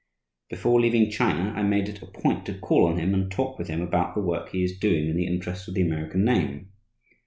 Before leaving China, I made it a point to call on him and talk with him about the work he is doing in the interest of the American name.